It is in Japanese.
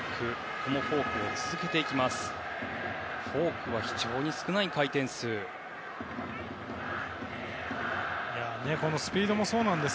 ここもフォークを続けていきます。